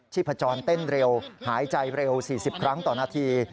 พจรเต้นเร็วหายใจเร็ว๔๐ครั้งต่อนาที